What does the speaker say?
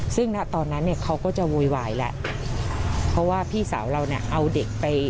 ซึ่งณตอนนั้นเนี่ยเขาก็จะโวยวายแล้วเพราะว่าพี่สาวเราเนี่ยเอาเด็กไป